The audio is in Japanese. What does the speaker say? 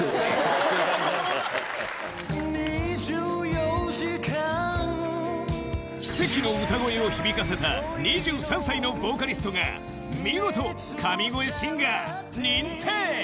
２４ 時間奇跡の歌声を響かせた２３歳のボーカリストが見事神声シンガー認定